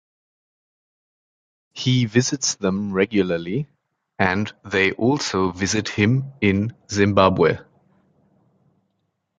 He visits them regularly and they also visit him in Zimbabwe.